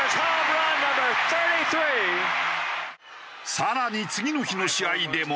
更に次の日の試合でも。